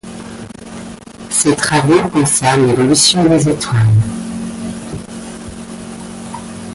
Ses travaux concernent l'évolution des étoiles.